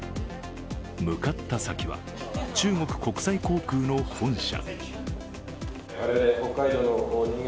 向かった先は中国国際空港の本社。